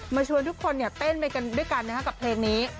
ชวนทุกคนเต้นไปกันด้วยกันนะครับกับเพลงนี้